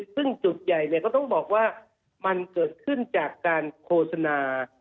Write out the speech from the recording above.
ซึ่งจุดใหญ่ก็ต้องบอกว่ามันเกิดขึ้นจากการโฆษณา